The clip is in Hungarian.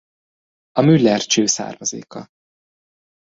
A Müller-cső származéka.